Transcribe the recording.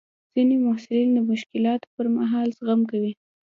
ځینې محصلین د مشکلاتو پر مهال زغم کوي.